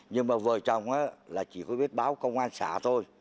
nhưng mà vợ chồng là chỉ có biết báo công an xã thôi